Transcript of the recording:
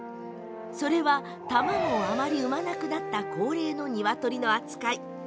それは卵をあまり産まなくなった高齢のニワトリの扱い。